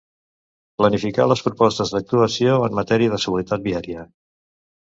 Planificar les propostes d'actuació en matèria de seguretat viària.